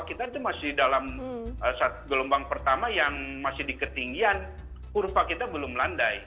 kita itu dalam gelombang pertama yang masih diketinggian